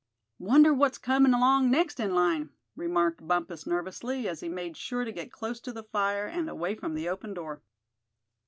"Wonder what's coming along next in line?" remarked Bumpus, nervously, as he made sure to get close to the fire, and away from the open door.